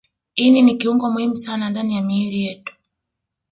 Ini ni kiungo muhimu sana ndani ya miili yetu